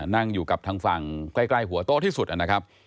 นั่งอยู่กับทางฝั่งใกล้หัวโต๊ะที่สุดนะครับ